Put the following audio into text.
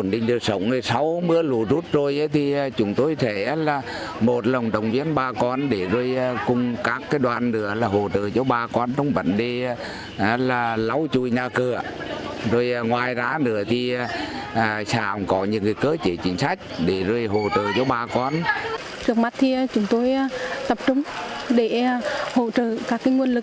trước mắt thì chúng tôi tập trung để hỗ trợ các nguồn lực